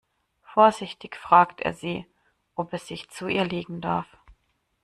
Vorsichtig fragt er sie, ob er sich zu ihr legen darf.